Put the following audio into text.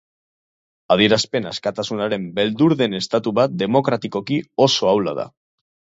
Adierazpen askatasunaren beldur den estatu bat demokratikoki oso ahula da.